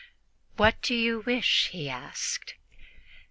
"What do you wish?" he asked.